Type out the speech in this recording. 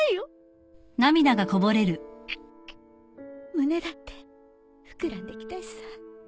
胸だってふくらんできたしさ